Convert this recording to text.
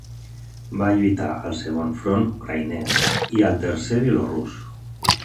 Va lluitar al segon front ucraïnès i al tercer bielorús.